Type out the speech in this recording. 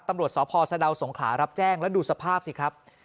ตำรวจสพสะดาวสงขลารับแจ้งแล้วดูสภาพสิครับ